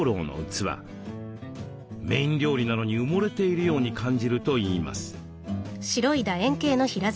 メイン料理なのに埋もれているように感じるといいます。